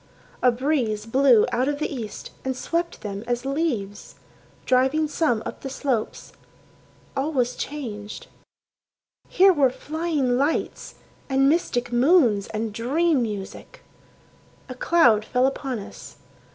A breeze blew out of the east and swept them as leaves, Driving some up the slopes. ... All was changed. Here were flying lights, and mystic moons, and dream music. A cloud fell upon us.